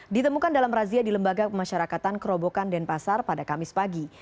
ditemukan dalam razia di lembaga pemasyarakatan kerobokan denpasar pada kamis pagi